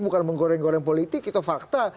bukan menggoreng goreng politik itu fakta